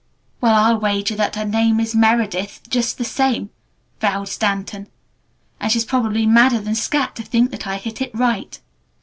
_'" "Well, I'll wager that her name is 'Meredith' just the same," vowed Stanton, "and she's probably madder than scat to think that I hit it right."